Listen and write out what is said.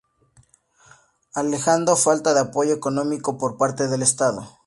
Alegando falta de apoyo económico por parte del estado.